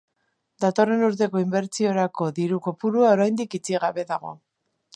Datorren urteko inbertsiorako diru kopurua oraindik itxi gabe dago.